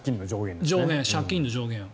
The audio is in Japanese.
借金の上限を。